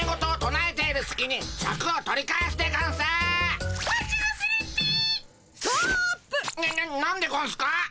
なななんでゴンスか？